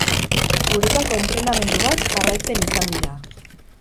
Uretako entrenamendu bat jarraitzen izan dira.